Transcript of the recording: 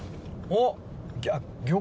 おっ。